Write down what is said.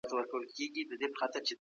ایا نوي کروندګر وچه الوچه اخلي؟